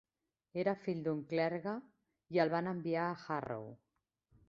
Era fill d'un clergue i el van enviar a Harrow.